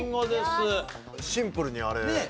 シンプルにあれ。